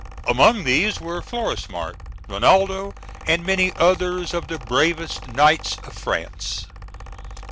Among these were Florismart, Rinaldo, and many others of the bravest knights of France.